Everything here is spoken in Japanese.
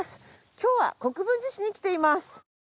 今日は国分寺市に来ています。